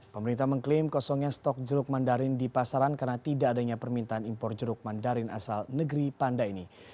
pemerintah mengklaim kosongnya stok jeruk mandarin di pasaran karena tidak adanya permintaan impor jeruk mandarin asal negeri panda ini